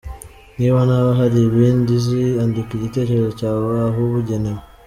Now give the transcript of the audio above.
Niba nawe hari ibindi uzi, andika igitekerezo cyawe ahabugenewe.